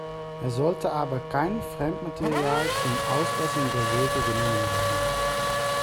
Es sollte aber kein Fremdmaterial zum Ausbessern der Wege genommen werden.